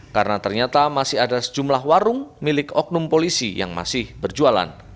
karena ternyata masih ada sejumlah warung milik oknum polisi yang masih berjualan